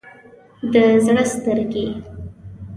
د زړه سترګې